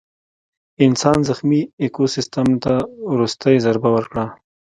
انسان زخمي ایکوسیستم ته وروستۍ ضربه ورکړه.